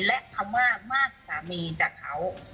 และคำว่ามากสามีจากเขา